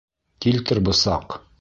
Килтер бысаҡ.